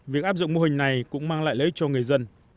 việc áp dụng mô hình này cũng mang lại lợi ích cho người dân